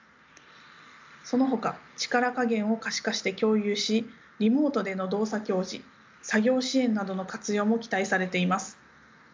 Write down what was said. そのほか力加減を可視化して共有しリモートでの動作教示作業支援などの活用も期待されています。